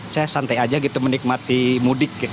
saya santai aja gitu menikmati mudik